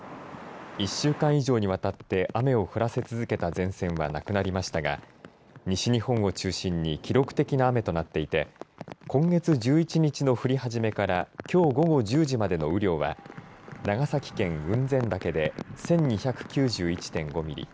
１週間以上にわたって雨を降らせ続けた前線はなくなりましたが西日本を中心に記録的な雨となっていて今月１１日の降り始めからきょう午後１０時までの雨量は長崎県雲仙岳で１２９１．５ミリ